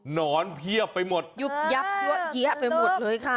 นอนเพียบไปหมดยุบยับยั่วเยี้ยไปหมดเลยค่ะ